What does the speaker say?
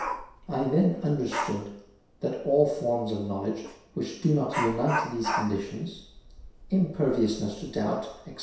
I then understood that all forms of knowledge which do not unite these conditions (impervious ness to doubt, etc.)